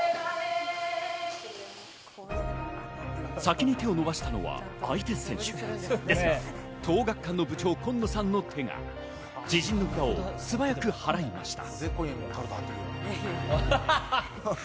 先に手を伸ばしたのは相手選手ですが、東桜学館の部長・今野さんの手が自陣の札を素早く払いました。